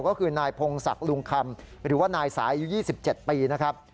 ก็คือนายพงศักดิ์ลุงคำหรือว่านายสายอายุ๒๗ปีนะครับ